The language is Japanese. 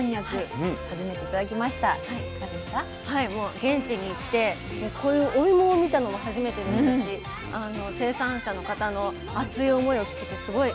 現地に行ってこういうお芋を見たのも初めてでしたしあの生産者の方の熱い思いを聞けてすごいよかったなと思いました。